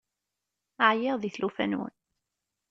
Ɛyiɣ di tlufa-nwen.